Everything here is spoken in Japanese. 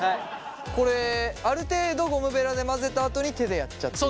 これある程度ゴムベラで混ぜたあとに手でやっちゃっていいってことですか？